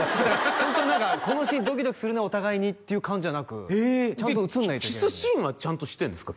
ホントに何かこのシーンドキドキするねお互いにっていう感じじゃなくちゃんと映んないといけないんででキスシーンはちゃんとしてるんですか？